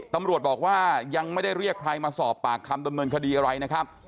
ตำรวจบอกว่ายังไม่ได้เรียกใครมาสอบปากคำดำเนินคดีอะไรนะครับ